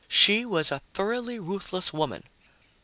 She was a thoroughly ruthless woman."